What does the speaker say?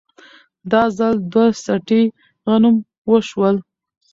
دا ځل دوه څټې غنم وشول